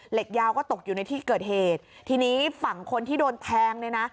ยาวก็ตกอยู่ในที่เกิดเหตุทีนี้ฝั่งคนที่โดนแทงเนี่ยนะ